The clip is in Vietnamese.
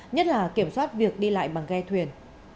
nhất là kiểm soát việc đi lại bằng ghe thuyền